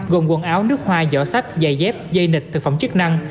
gồm quần áo nước hoa giỏ sách dài dép dây nịch thực phẩm chức năng